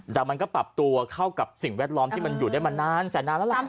แต่มันก็ปรับตัวเข้ากับสิ่งแวดล้อมที่มันอยู่ได้มานานแสนนานแล้วล่ะ